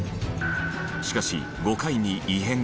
しかし５回に異変が。